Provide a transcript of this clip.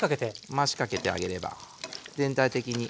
回しかけてあげれば全体的に。